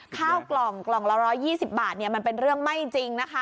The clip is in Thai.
ข้าวกล่อง๑๒๐บาทเนี่ยมันเป็นเรื่องไม่จริงนะคะ